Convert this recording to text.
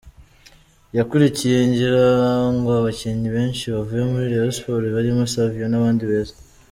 Yakurikiye ngira ngo abakinnyi benshi bavuye muri Rayon Sports barimo Savio n’abandi beza.